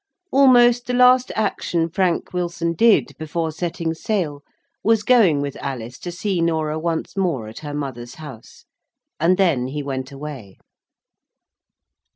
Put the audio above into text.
Almost the last action Frank Wilson did, before setting sail, was going with Alice to see Norah once more at her mother's house. And then he went away.